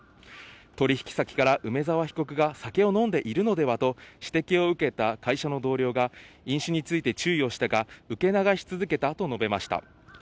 取引先から梅沢被告が酒を飲んでいるのではと指摘を受けた会社の同僚が飲酒について注意をしたが、受け流し続けたと述べました。